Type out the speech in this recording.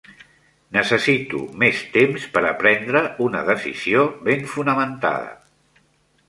Necessito més temps per a prendre una decisió ben fonamentada.